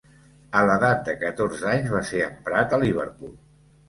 A l'edat de catorze anys va ser emprat a Liverpool.